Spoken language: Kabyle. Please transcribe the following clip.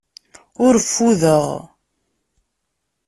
Ur ffudeɣ.